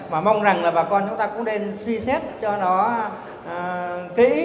và mong rằng là bà con chúng ta cũng nên suy xét cho nó kỹ